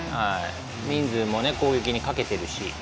人数も攻撃にかけてるし。